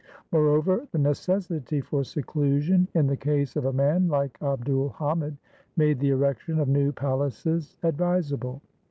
Moreover, the necessity for seclusion, in the case of a man like Abd ul Hamid, made the erection of new palaces advisable.